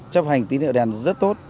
chấp hành tín hiệu đèn rất tốt